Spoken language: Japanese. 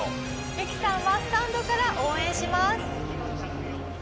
ミキさんはスタンドから応援します。